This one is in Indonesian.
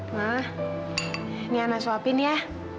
nah ini anak suapin ya